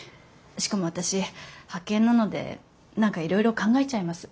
しかも私派遣なので何かいろいろ考えちゃいます。